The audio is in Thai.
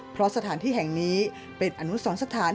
เพราะสถานที่แห่งนี้เป็นอนุสรสถาน